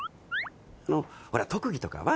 あのほら特技とかは？